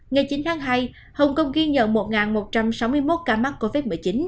ngày chín tháng hai hồng kông ghi nhận một một trăm sáu mươi một ca mắc covid một mươi chín